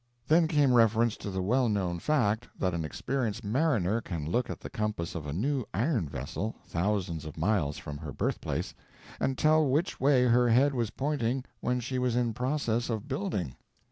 Then came reference to the well known fact that an experienced mariner can look at the compass of a new iron vessel, thousands of miles from her birthplace, and tell which way her head was pointing when she was in process of building.